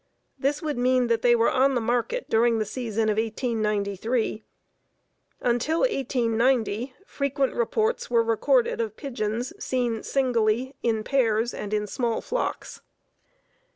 This would mean that they were on the market during the season of 1893. Until 1890 frequent reports were recorded of pigeons seen singly, in pairs and in small flocks.